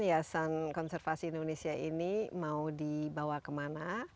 yayasan konservasi indonesia ini mau dibawa kemana